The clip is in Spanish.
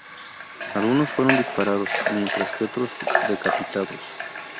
Algunos fueron disparados, mientras que otros decapitados.